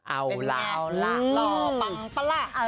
เอาล่ะหล่อปังปะแหละ